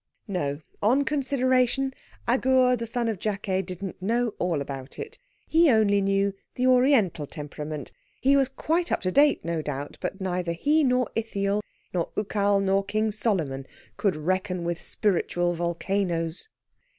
No! On consideration, Agur, the son of Jakeh, didn't know all about it. He only knew the Oriental temperament. He was quite up to date, no doubt, but neither he nor Ithiel nor Ucal nor King Solomon could reckon with spiritual volcanoes.